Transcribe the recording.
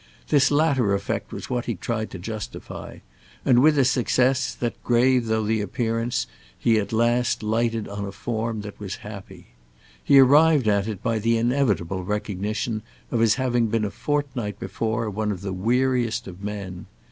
This latter effect was what he tried to justify—and with the success that, grave though the appearance, he at last lighted on a form that was happy. He arrived at it by the inevitable recognition of his having been a fortnight before one of the weariest of men.